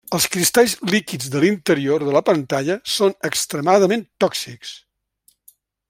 Els cristalls líquids de l'interior de la pantalla són extremadament tòxics.